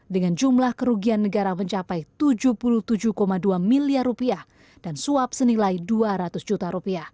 dengan jumlah kerugian negara mencapai rp tujuh puluh tujuh dua miliar dan suap senilai rp dua ratus juta